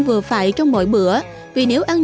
mua cái chất lượng